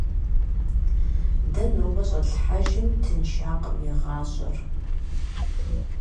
Дэ нобэ щӏэтлъхьэжым тыншакъым и гъащӏэр.